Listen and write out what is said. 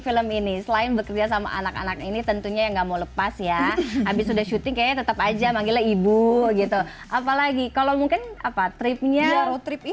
film ini selain bekerja sama anak anak ini tentunya ya nggak mau lepas ya habis sudah syuting kayaknya tetap aja manggilnya ibu gitu apalagi kalau mungkin apa tripnya road trip itu kan kayaknya tetep aja menggila ibu apa lagi kalau mungkin apa tripnya road trip itu kan va